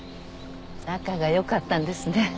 仲が良かったんですね。